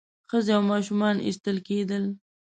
ښځې او ماشومان ایستل کېدل.